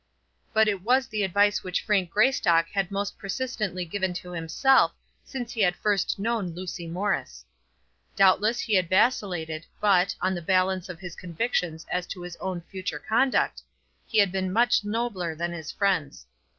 But it was the advice which Frank Greystock had most persistently given to himself since he had first known Lucy Morris. Doubtless he had vacillated, but, on the balance of his convictions as to his own future conduct, he had been much nobler than his friends.